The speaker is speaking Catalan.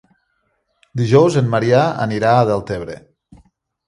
Dijous en Maria anirà a Deltebre.